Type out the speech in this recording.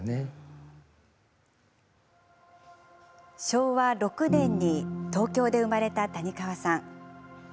昭和６年に東京で生まれた谷川さん。